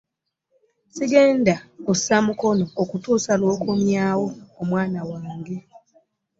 Sigenda kussa mukono okutuusa lw'okomyawo omwanange.